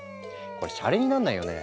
これシャレになんないよね。